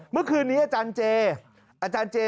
เมื่อคืนนี้อาจารย์เจ